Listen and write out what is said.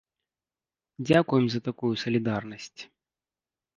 Дзякуем за такую салідарнасць.